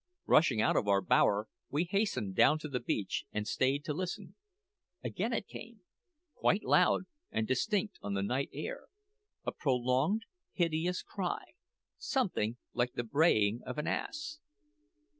Rushing out of our bower, we hastened down to the beach and stayed to listen. Again it came, quite loud and distinct on the night air a prolonged, hideous cry, something like the braying of an ass.